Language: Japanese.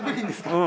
うん。